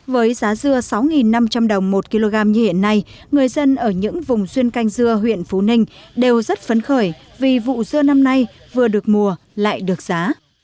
với giá dưa sáu năm trăm linh đồng một kg như hiện nay người dân ở những vùng xuyên canh dưa huyện phú ninh đều rất phấn khởi vì vụ dưa năm nay vừa được mùa lại được giá